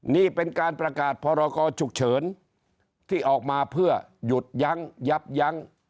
นี่เป็นการประกาศพรกรฉุกเฉินที่ออกมาเพื่อหยุดยั้งยับยั้ง